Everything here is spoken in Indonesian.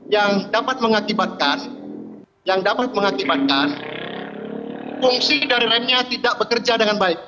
yang dapat mengakibatkan fungsi dari remnya tidak bekerja dengan baik